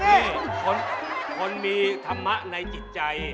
ไอ้เน่คนมีธรรมะในจิตใจ